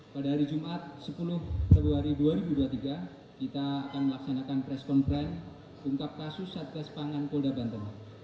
pada hari jumat sepuluh februari dua ribu dua puluh tiga kita akan melaksanakan press conference ungkap kasus satgas pangan polda banten